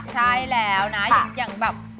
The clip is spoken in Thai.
ใช่แล้วนะอย่างแบบ